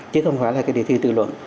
chứ không phải là cái đề thi tự luận